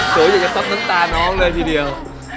อยากจะซับน้ำตาน้องเลยทีเดียว